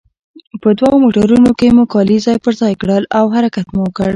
په دوو موټرونو کې مو کالي ځای پر ځای کړل او حرکت مو وکړ.